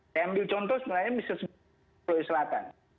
saya ambil contoh sebenarnya misalnya di pulau selatan